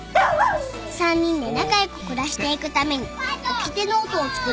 ［３人で仲良く暮らしていくためにおきてノートを作りました］